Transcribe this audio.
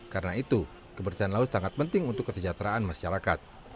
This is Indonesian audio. karena itu kebersihan laut sangat penting untuk kesejahteraan masyarakat